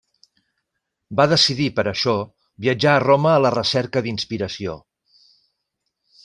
Va decidir, per a això, viatjar a Roma a la recerca d'inspiració.